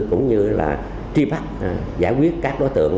cũng như tri bắt giải quyết các đối tượng